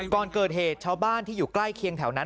ก่อนเกิดเหตุชาวบ้านที่อยู่ใกล้เคียงแถวนั้น